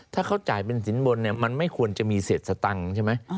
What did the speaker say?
ถ้าเขาจ่ายเป็นสินบนเนี่ยมันไม่ควรจะมีเศษสตังค์ใช่ไหม